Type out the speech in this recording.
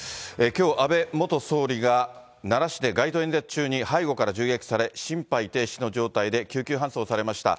きょう、安倍元総理が奈良市で街頭演説中に背後から銃撃され、心肺停止の状態で救急搬送されました。